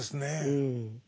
うん。